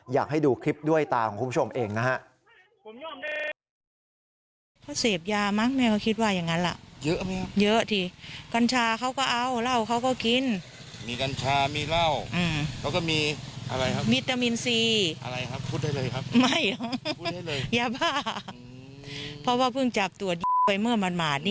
อยากให้ดูคลิปนี้เต็ม